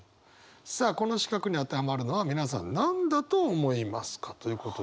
さあこの四角に当てはまるのは皆さん何だと思いますかということで。